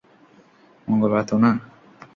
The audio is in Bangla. মঙ্গলবার তো না?